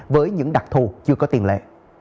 với những đặc thù chưa có tiền lệ